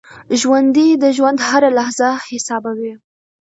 ژوندي د ژوند هره لحظه حسابوي